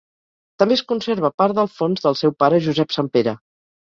També es conserva part del fons del seu pare Josep Sant Pere.